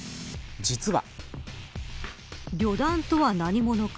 実は。